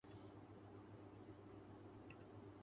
Covid ایسا نہیں لگتا کہ ہم کورونا وائرس کی نمائش کے خطرے ک